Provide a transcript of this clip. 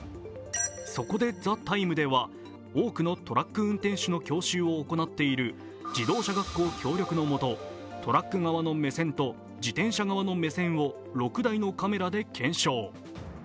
そこで、「ＴＨＥＴＩＭＥ，」では多くのトラック運転手の教習を行っている自動車学校協力のもと、トラック側の目線と自転車側の目線を６台のカメラで検証。